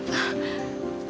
aku udah bangun